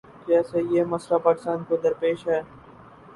جیسے یہ مسئلہ پاکستان کو درپیش ہے۔